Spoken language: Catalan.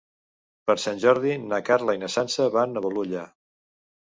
Per Sant Jordi na Carla i na Sança van a Bolulla.